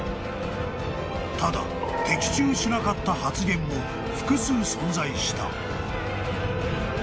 ［ただ的中しなかった発言も複数存在した］